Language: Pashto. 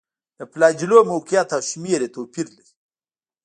د فلاجیلونو موقعیت او شمېر یې توپیر لري.